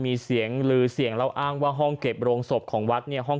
มีเสียงลือเสียงแล้วอ้างว่าห้องเก็บโรงศพของวัดเนี่ยห้อง